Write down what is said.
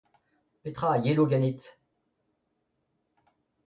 Petra a yelo ganit ?